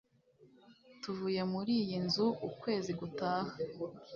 Tuvuye muri iyi nzu ukwezi gutaha.